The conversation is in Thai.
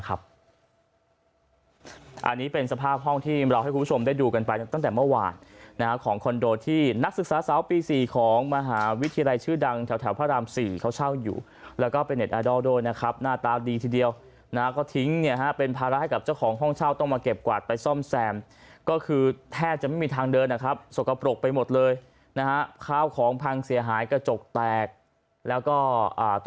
อันนี้เป็นสภาพห้องที่เราให้คุณผู้ชมได้ดูกันไปตั้งแต่เมื่อวานนะฮะของคอนโดที่นักศึกษาสาวปีสี่ของมหาวิทยาลัยชื่อดังแถวแถวพระรามสี่เขาเช่าอยู่แล้วก็เป็นเอดอดอลด้วยนะครับหน้าตาดีทีเดียวนะฮะก็ทิ้งเนี่ยฮะเป็นภาระให้กับเจ้าของห้องเช่าต้องมาเก็บกวาดไปซ่อมแซมก็คือแทบจะไม่มีท